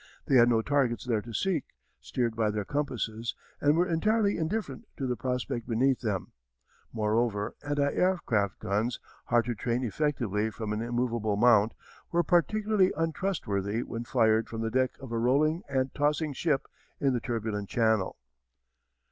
They had no targets there to seek, steered by their compasses, and were entirely indifferent to the prospect beneath them. Moreover anti aircraft guns, hard to train effectively from an immovable mount, were particularly untrustworthy when fired from the deck of a rolling and tossing ship in the turbulent Channel.